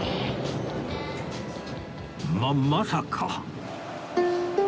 ままさか